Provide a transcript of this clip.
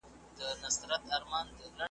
د افغانستان د فرهنګ ,